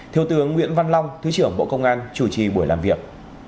thiếu tướng nguyễn văn long thứ trưởng bộ công an chủ trì buổi làm việc